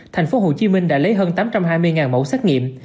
thành phố hồ chí minh đã lấy hơn tám trăm hai mươi mẫu xét nghiệm